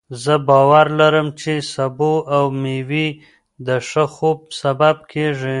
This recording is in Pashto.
زه باور لرم چې سبو او مېوې د ښه خوب سبب کېږي.